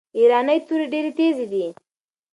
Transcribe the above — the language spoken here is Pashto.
ایرانۍ توري ډیري تیزي دي.